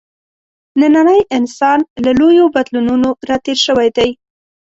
نننی انسان له لویو بدلونونو راتېر شوی دی.